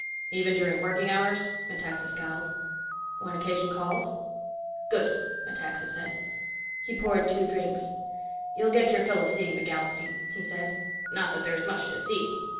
"Even during working hours?" Metaxa scowled. "When occasion calls." "Good," Metaxa said. He poured two drinks. "You'll get your fill of seeing the galaxy," he said. "Not that there's much to see.